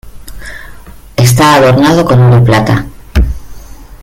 Está adornado con oro y plata.